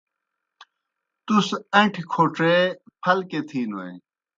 تُس ان٘ٹھیْ کھوڇے پھل کیْہ نہ تِھینوئے؟۔